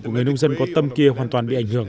của người nông dân có tâm kia hoàn toàn bị ảnh hưởng